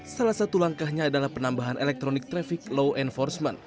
salah satu langkahnya adalah penambahan elektronik traffic law enforcement